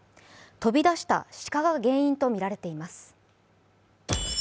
飛び出した鹿が原因とみられています。